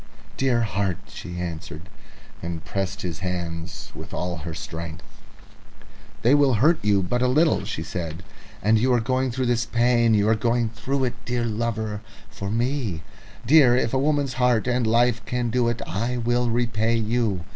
"Dear heart!" she answered, and pressed his hands with all her strength. "They will hurt you but little," she said; "and you are going through this pain you are going through it, dear lover, for me... Dear, if a woman's heart and life can do it, I will repay you.